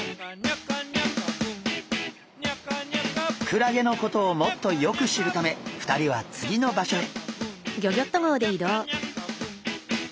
クラゲのことをもっとよく知るため２人は次の場所へ。